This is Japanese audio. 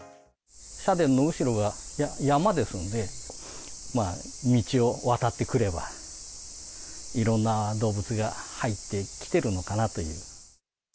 社殿の後ろが山ですので、道を渡ってくれば、いろいろな動物が入ってきてるのかなという。